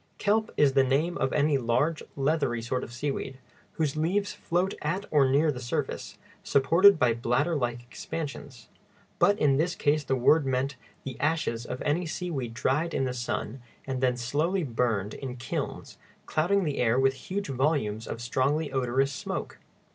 Kelp is the name of any large, leathery sort of seaweed, whose leaves float at or near the surface, supported by bladder like expansions; but in this case the word meant the ashes of any seaweed dried in the sun and then slowly burned in kilns, clouding the air with huge volumes of strongly odorous smoke.